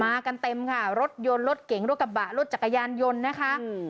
กันเต็มค่ะรถยนต์รถเก๋งรถกระบะรถจักรยานยนต์นะคะอืม